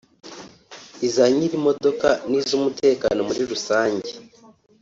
iza nyir’imodoka n’iz’umutekano muri rusange